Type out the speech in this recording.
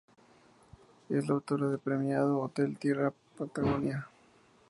Es la autora del premiado Hotel Tierra Patagonia.